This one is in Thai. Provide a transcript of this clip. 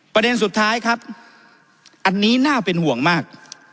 ประเด็นสุดท้ายครับอันนี้น่าเป็นห่วงมาก